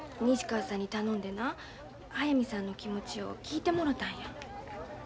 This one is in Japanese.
西川さんに頼んでな速水さんの気持ちを聞いてもろたんや。